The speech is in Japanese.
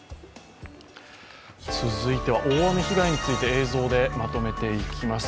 続いては、大雨被害について、映像でまとめていきます。